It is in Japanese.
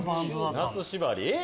夏縛り？